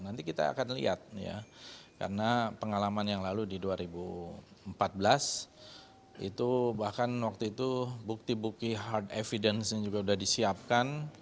nanti kita akan lihat ya karena pengalaman yang lalu di dua ribu empat belas itu bahkan waktu itu bukti bukti hard evidence nya juga sudah disiapkan